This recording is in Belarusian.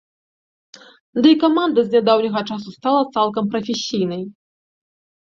Ды і каманда з нядаўняга часу стала цалкам прафесійнай.